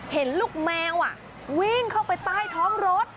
เห็นลูกแมววิ่งเข้าไปใต้ท้องรถ